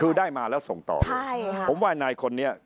คือได้มาแล้วส่งต่อใช่ค่ะผมว่านายคนนี้